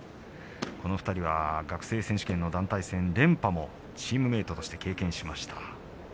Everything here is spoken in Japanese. この２人は学生選手権の団体戦で連覇チームメートとして経験しています。